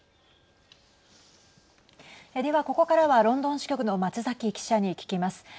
では、ここからはロンドン支局の松崎記者に聞きます。